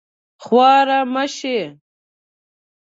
خوار مه شې